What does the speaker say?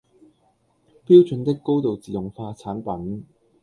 標準的高度自動化產品